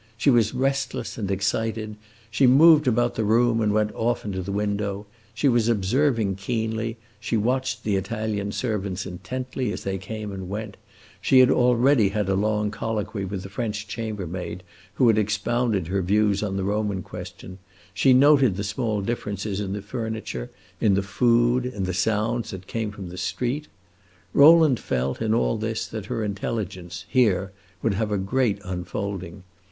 She was restless and excited; she moved about the room and went often to the window; she was observing keenly; she watched the Italian servants intently, as they came and went; she had already had a long colloquy with the French chambermaid, who had expounded her views on the Roman question; she noted the small differences in the furniture, in the food, in the sounds that came in from the street. Rowland felt, in all this, that her intelligence, here, would have a great unfolding.